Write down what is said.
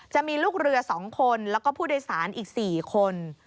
จะมีลูกเรือ๒คนแล้วก็ผู้โดยสารอีก๔คน